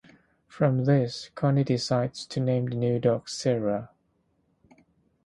From this, Connie decides to name the new dog "Sera".